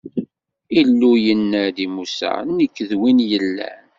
Illu yenna-d i Musa: Nekk, d Win yellan.